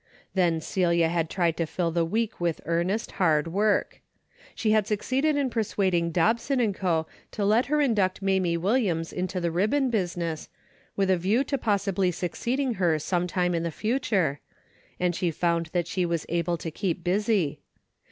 Then Celia had tried to fill the week with earnest hard work. She had succeeded in persuading Dobson & Co. to let her induct Mamie Wil liams into the ribbon business, with a view to possibly succeeding her sometime in the future, and she found that she was able to keep busy.